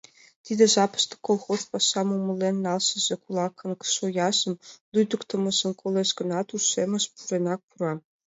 Тиде жапыште колхоз пашам умылен налшыже кулакын шояжым, лӱдыктымыжым колеш гынат, ушемыш пуренак пура.